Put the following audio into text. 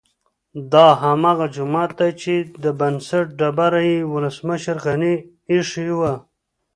دا هماغه جومات دی چې د بنسټ ډبره یې ولسمشر غني ايښې وه